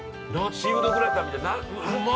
シーフードグラタンみたい。